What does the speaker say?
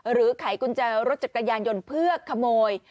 ไขกุญแจรถจักรยานยนต์เพื่อขโมย